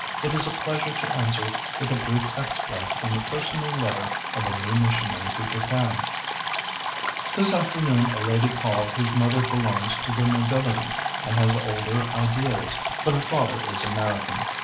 it is a pleasure to answer with a brief extract from the personal letter of a new missionary to Japan: "This afternoon a lady called whose mother belongs to the nobility and has older ideals, but her father is American.